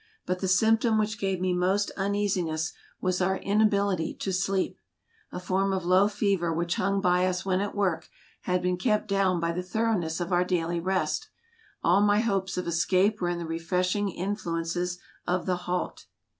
But the symptom which gave me most uneasiness was our inability to sleep. A form of low fever which hung by us when at work had been kept down by the thoroughness of our daily rest ; all my hopes of escape were in the refreshing influences of the halt.